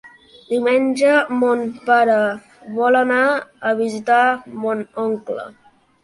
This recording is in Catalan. Diumenge mon pare vol anar a visitar mon oncle.